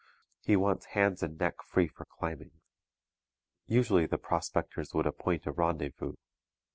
He wants hands and neck free for climbing. Usually the prospectors would appoint a rendezvous.